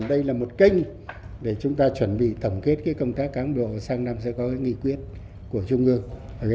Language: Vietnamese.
đây là một kênh để chúng ta chuẩn bị tổng kết công tác cán bộ sang năm sẽ có nghị quyết của trung ương